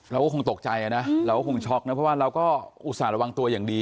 เราก็คงตกใจนะเราก็คงช็อกนะเพราะว่าเราก็อุตส่าหระวังตัวอย่างดี